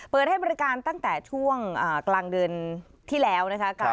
เปิดให้บริการตั้งแต่ช่วงกลางเดือนที่แล้วนะคะ